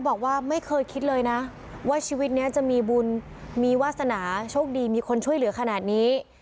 บอกว่าไม่เคยคิดเลยนะว่าชีวิตนี้จะมีบุญมีวาสนาโชคดีมีคนช่วยเหลือขนาดนี้